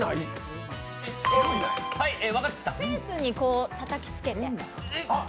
フェンスにたたきつけて。